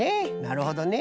なるほどね。